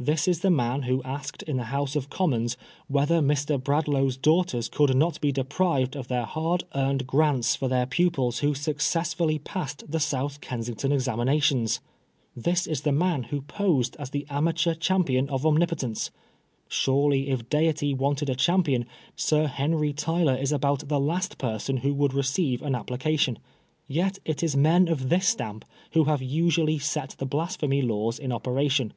This is the man who asked in the House of Commons whether Mr. Bradlaugh's daughters could not be deprived of their hard earned grants for their pupils who successfully passed the South Kensington examinations ! This is the man who posed as the amateur champion of omnipotence I Surely if deity wanted a champion. Sir Henry Tyler is about the last person who would receive an applica* tion. Yet it is men of this stamp who have usually set the Blasphemy Laws in operation.